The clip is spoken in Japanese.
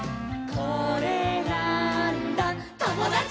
「これなーんだ『ともだち！』」